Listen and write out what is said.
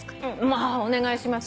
お願いします。